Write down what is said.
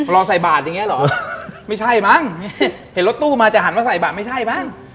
รอใส่บาทอย่างเงี้เหรอไม่ใช่มั้งเห็นรถตู้มาจะหันมาใส่บาทไม่ใช่มั้ง